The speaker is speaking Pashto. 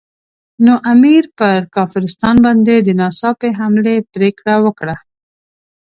نو امیر پر کافرستان باندې د ناڅاپي حملې پرېکړه وکړه.